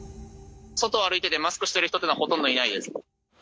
外を歩いてて、マスクしてる人というのはほとんどいないです。